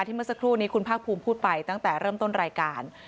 เมื่อสักครู่นี้คุณภาคภูมิพูดไปตั้งแต่เริ่มต้นรายการ